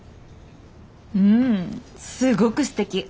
うんすごくすてき。